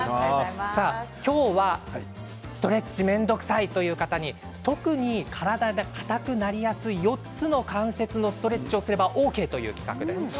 今日はストレッチ面倒くさいという方に特に体で硬くなりやすい４つの関節をストレッチすればＯＫという企画です。